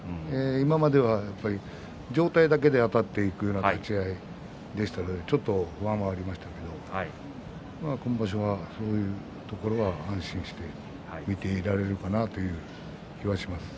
今までは上体だけであたっていくような立ち合いでしたのでちょっと不安はありましたけれども今場所はそういうところは安心して見ていられるかなという気がします。